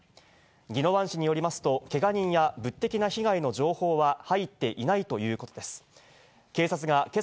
宜野湾市によりますと、けが人や物的な被害の情報は入っていないということです。